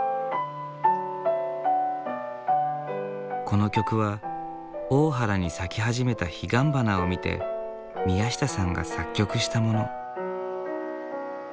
この曲は大原に咲き始めた彼岸花を見て宮下さんが作曲したもの。